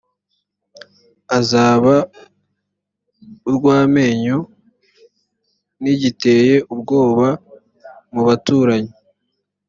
azaba urw amenyo n igiteye ubwoba mu baturanyi